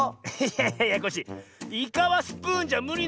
いやいやコッシーイカはスプーンじゃむりなのよ。